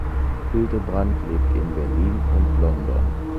Hildebrandt lebt in Berlin und London.